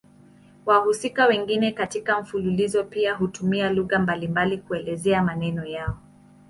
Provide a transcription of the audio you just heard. Wahusika wengine katika mfululizo pia hutumia lugha mbalimbali kuelezea maneno yao.